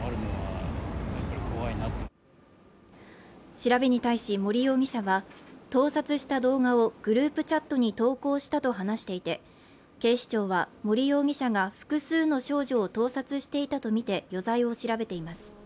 調べに対し、森容疑者は盗撮した動画をグループチャットに投稿したと話していて警視庁は森容疑者が複数の少女を盗撮していたとみて余罪を調べています。